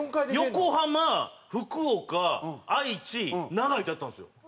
横浜福岡愛知長居とやったんですよ。